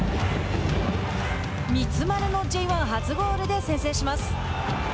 三丸のＪ１初ゴールで先制します。